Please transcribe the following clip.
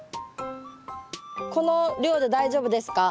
この量で大丈夫ですか？